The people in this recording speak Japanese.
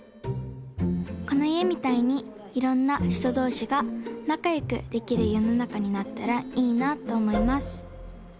このいえみたいにいろんなひとどうしがなかよくできるよのなかになったらいいなとおもいます。